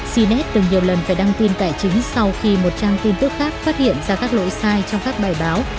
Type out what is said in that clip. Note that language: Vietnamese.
cnnet từng nhiều lần phải đăng tin tài chính sau khi một trang tin tức khác phát hiện ra các lỗi sai trong các bài báo